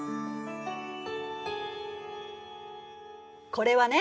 これはね